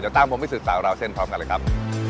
เดี๋ยวตั้งผมไปสื่อสารของเราเส้นพร้อมกันเลยครับ